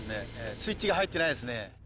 スイッチが入ってないですね。